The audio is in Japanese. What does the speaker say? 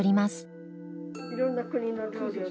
いろんな国の料理を。